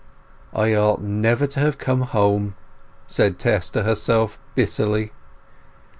"I ought never to have come home," said Tess to herself, bitterly.